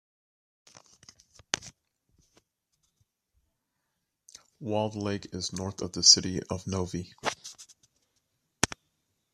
Walled Lake is north of the City of Novi.